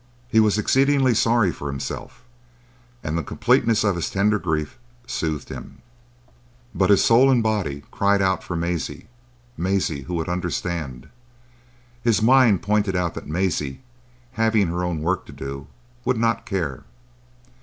He was exceedingly sorry for himself, and the completeness of his tender grief soothed him. But his soul and his body cried for Maisie—Maisie who would understand. His mind pointed out that Maisie, having her own work to do, would not care.